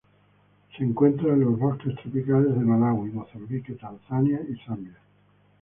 Se encuentra en los bosques tropicales de Malawi, Mozambique, Tanzania y Zambia.